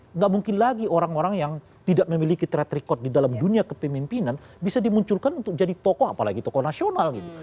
tidak mungkin lagi orang orang yang tidak memiliki track record di dalam dunia kepemimpinan bisa dimunculkan untuk jadi tokoh apalagi tokoh nasional gitu